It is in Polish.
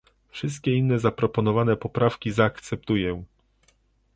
Wszystkie inne zaproponowane poprawki zaakceptuję